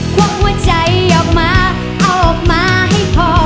ควงหัวใจออกมาออกมาให้พอ